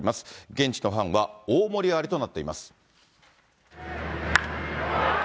現地のファンは大盛り上がりとなっています。